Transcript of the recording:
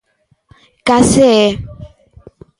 Case é.